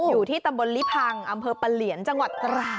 อยู่ที่ตำบลลิพังอำเภอปะเหลียนจังหวัดตราด